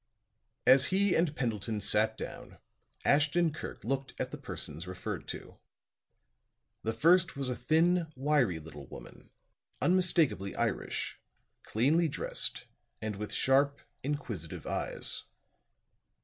As he and Pendleton sat down, Ashton Kirk looked at the persons referred to. The first was a thin, wiry little woman, unmistakably Irish, cleanly dressed and with sharp, inquisitive eyes.